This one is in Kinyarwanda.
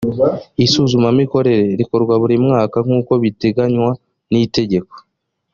isuzumamikorere rikorwa buri mwaka nk’uko biteganywa n’itegeko